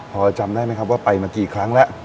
พอจำได้ไหมครับว่าไปมากี่ครั้งแล้ว